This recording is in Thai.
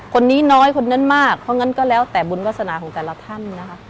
คนนี้น้อยคนนั้นมากเพราะงั้นก็แล้วแต่บุญวาสนาของแต่ละท่านนะคะ